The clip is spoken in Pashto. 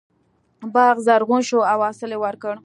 باغ زرغون شو او حاصل یې ورکړ.